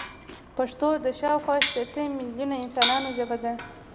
پښتو د شاوخوا شپيته ميليونه انسانانو ژبه ده.